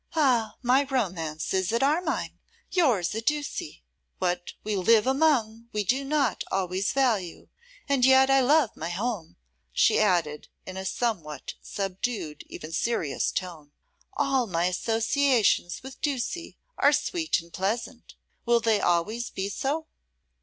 'Ah! my romance is at Armine; yours at Ducie. What we live among, we do not always value. And yet I love my home,' she added, in a somewhat subdued, even serious tone; 'all my associations with Ducie are sweet and pleasant. Will they always be so?